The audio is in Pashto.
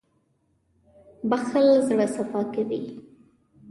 • بښل زړه صفا کوي.